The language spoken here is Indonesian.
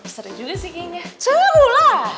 sore juga sih kayaknya sore lah